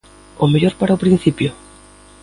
O mellor para o principio?